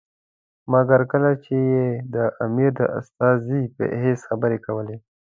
مګر کله چې یې د امیر د استازي په حیث خبرې کولې.